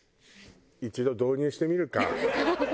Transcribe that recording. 一度導入してみるか。